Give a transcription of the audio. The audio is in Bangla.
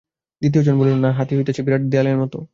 দ্বিতীয় জন বলিল, না, হাতী হইতেছে বিরাট দেওয়ালের মত।